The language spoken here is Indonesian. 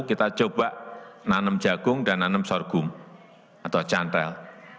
kita coba nanam jagung dan nanam sorghum atau chandral